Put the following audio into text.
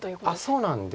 そうなんです。